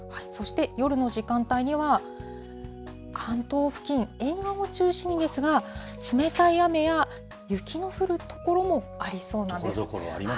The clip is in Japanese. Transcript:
そして、夜の時間帯には関東付近、沿岸を中心にですが、冷たい雨や雪の降る所もありそうなんです。